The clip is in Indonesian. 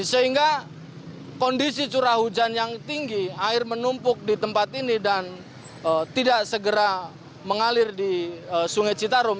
sehingga kondisi curah hujan yang tinggi air menumpuk di tempat ini dan tidak segera mengalir di sungai citarum